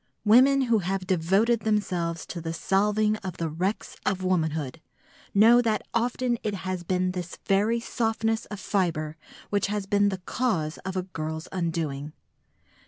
Women who have devoted themselves to the salving of the wrecks of womanhood know that often it has been this very softness of fibre which has been the cause of a girl's undoing.